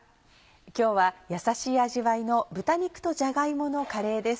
今日はやさしい味わいの「豚肉とじゃが芋のカレー」です。